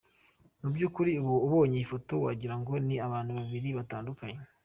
Mubyukuri ubonye iyi foto wagira ngo ni abantu babiri batandukanye.